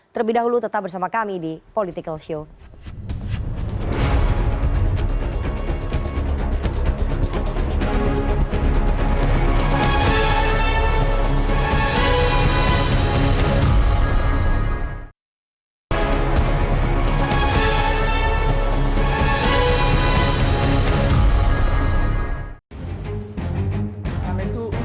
terlebih dahulu tetap bersama kami di political show